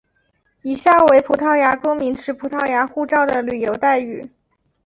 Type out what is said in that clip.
以下为葡萄牙公民持葡萄牙护照的旅游待遇。